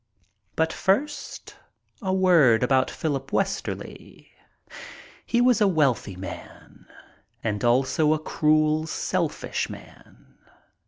But first a word about Philip Westerly. He was a wealthy man, and also a cruel, selfish man.